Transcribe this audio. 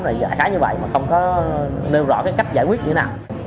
và khá như vậy mà không có nêu rõ cách giải quyết như thế nào